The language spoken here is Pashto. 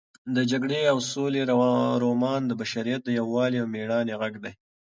د جګړې او سولې رومان د بشریت د یووالي او مېړانې غږ دی.